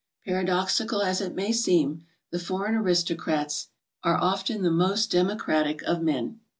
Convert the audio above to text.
Paradoxical HOW TO GO. 39 as it may seem, the foreign aristocrat is often the most democratic of men.